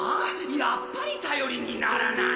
やっぱり頼りにならない。